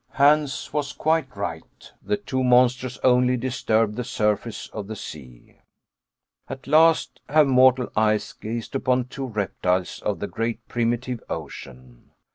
Hans was quite right. The two monsters only, disturbed the surface of the sea! At last have mortal eyes gazed upon two reptiles of the great primitive ocean!